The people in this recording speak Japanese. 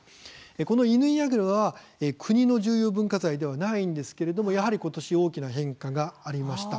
この戌亥櫓は国の重要文化財ではないんですけれどもやはり、ことし大きな変化がありました。